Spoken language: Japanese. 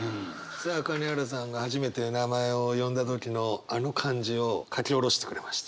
さあ金原さんが初めて名前を呼んだ時のあの感じを書き下ろしてくれました。